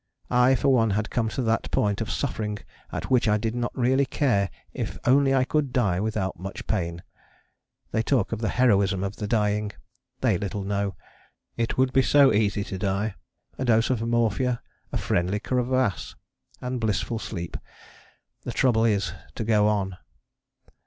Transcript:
I for one had come to that point of suffering at which I did not really care if only I could die without much pain. They talk of the heroism of the dying they little know it would be so easy to die, a dose of morphia, a friendly crevasse, and blissful sleep. The trouble is to go on....